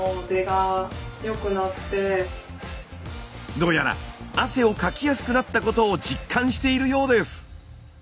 どうやら汗をかきやすくなったことを実感しているようです。